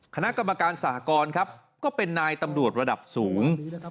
คณะกรรมการสหกรณ์ครับก็เป็นนายตำรวจระดับสูง